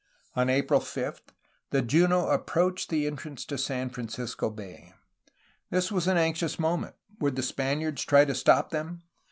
On April 5, the Juno approached the en trance to San Francisco Bay. This was an anxious moment. Would the Spaniards try to stop them?